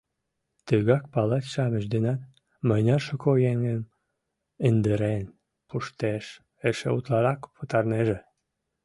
Тыгак палач-шамыч денат: мыняр шуко еҥым индырен пуштеш, эше утларак пытарынеже.